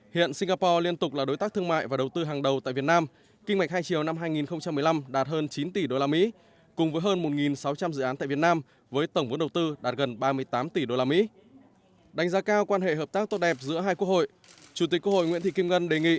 hiện singapore liên tục là đối tác thương mại và đầu tư hàng đầu tại việt nam kinh mạch hai chiều năm hai nghìn một mươi năm đạt hơn chín tỷ usd cùng với hơn một sáu trăm linh dự án tại việt nam với tổng vốn đầu tư đạt gần ba mươi tám tỷ usd